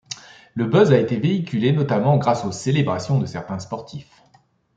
Le buzz a été véhiculé notamment grâce aux célébrations de certains sportifs.